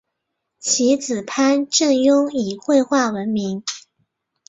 其子潘振镛以绘画闻名。